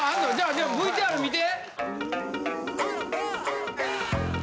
じゃあＶＴＲ見て。